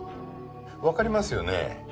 分かりますよね？